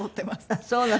あっそうなの。